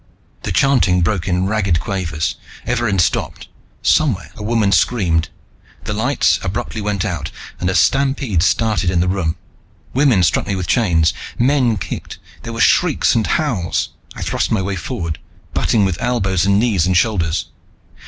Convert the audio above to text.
The chanting broke in ragged quavers. Evarin stopped. Somewhere a woman screamed. The lights abruptly went out and a stampede started in the room. Women struck me with chains, men kicked, there were shrieks and howls. I thrust my way forward, butting with elbows and knees and shoulders.